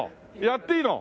やっていいの？